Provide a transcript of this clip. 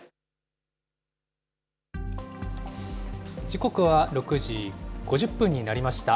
時刻は６時５０分になりました。